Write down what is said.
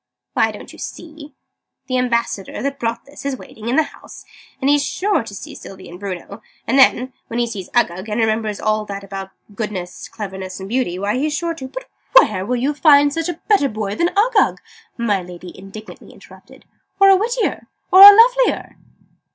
"Why, don't you see? The Ambassador, that brought this, is waiting in the house: and he's sure to see Sylvie and Bruno: and then, when he sees Uggug, and remembers all that about 'goodness, cleverness, and beauty,' why, he's sure to " "And where will you find a better boy than Uggug?" my Lady indignantly interrupted. "Or a wittier, or a lovelier?"